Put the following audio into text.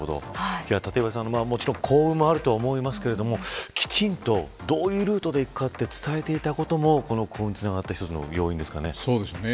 立岩さん、もちろん幸運もあると思いますけれどもきちんとどういうルートで行くかと伝えていたこともこの幸運につながったそうですね。